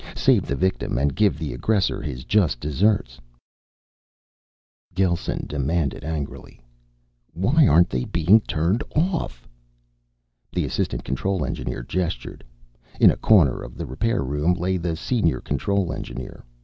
Save the victim and give the aggressor his just desserts. Gelsen demanded angrily, "Why aren't they being turned off?" The assistant control engineer gestured. In a corner of the repair room lay the senior control engineer.